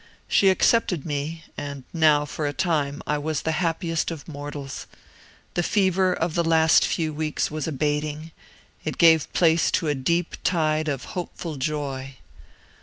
She accepted me; and now, for a time, I was the happiest of mortals. The fever of the last few weeks was abating; it gave place to a deep tide of hopeful joy.